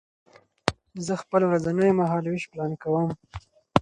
زه خپل ورځنی مهالوېش پلان کوم.